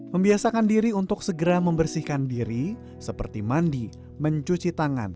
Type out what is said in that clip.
membiasakan diri untuk segera membersihkan diri seperti mandi mencuci tangan